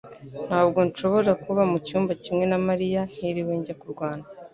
Ntabwo nshobora kuba mucyumba kimwe na mariya ntiriwe njya kurwana